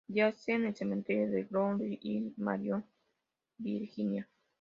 Yace en el cementerio de Round Hill en Marion, Virginia.